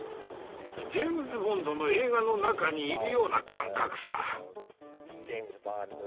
ジェームズ・ボンドの映画の中にいるような感覚さ。